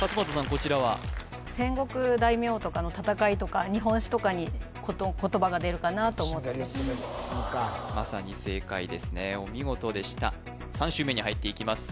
こちらは戦国大名とかの戦いとか日本史とかに言葉が出るかなと思ってしんがりを務めるまさに正解ですねお見事でした３周目に入っていきます